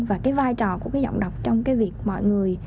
và cái vai trò của cái giọng đọc trong cái việc mọi người